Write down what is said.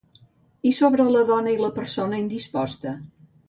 I sobre la dona i la persona indisposta?